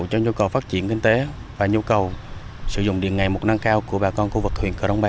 cho nhu cầu phát triển kinh tế và nhu cầu sử dụng điện ngày một nâng cao của bà con khu vực huyện cờ đông ba